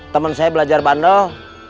temen saya belajar bandel